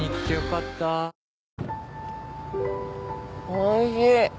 おいしい。